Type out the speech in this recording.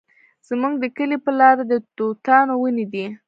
زموږ د کلي په لاره د توتانو ونې دي